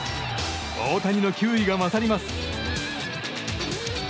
大谷の球威が勝ります。